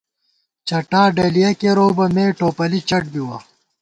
چٹا ڈلِیَہ کېروؤ بہ ، مے ٹوپَلی چٹ بِوَہ